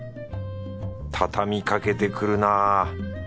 たたみかけてくるなぁ。